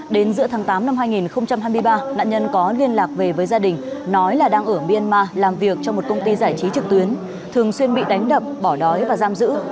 đến giữa tháng tám năm hai nghìn hai mươi ba nạn nhân có liên lạc về với gia đình nói là đang ở myanmar làm việc trong một công ty giải trí trực tuyến thường xuyên bị đánh đập bỏ đói và giam giữ